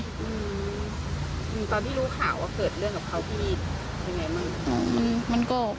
อืมตอนที่รู้ข่าวว่าเกิดเรื่องกับเขาที่นี่ยังไงบ้าง